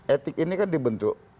etik ini kan dibentuk